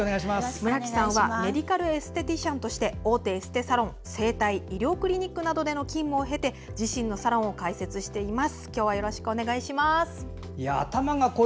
村木さんは、メディカルエステティシャンとして大手エステサロン整体医療クリニックなどでの勤務を経て自身のサロンを開設しています。